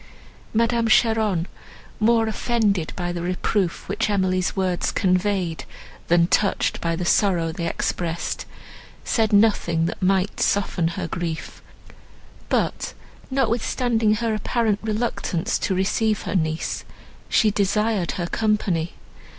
Madame Cheron, more offended by the reproof which Emily's words conveyed, than touched by the sorrow they expressed, said nothing, that might soften her grief; but, notwithstanding an apparent reluctance to receive her niece, she desired her company.